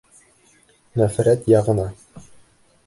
Нәфрәт яғына.